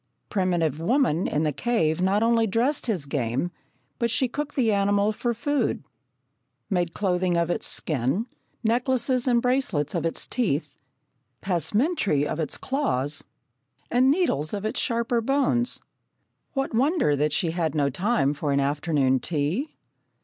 Primitive woman in the cave not only dressed his game, but she cooked the animal for food, made clothing of its skin, necklaces and bracelets of its teeth, passementerie of its claws, and needles of its sharper bones. What wonder that she had no time for an afternoon tea?